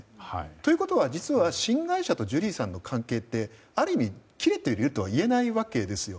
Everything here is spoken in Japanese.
ということは実は新会社とジュリーさんの関係ってある意味切れているとはいえないわけですよ。